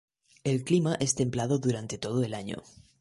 El clima es templado durante todo el año.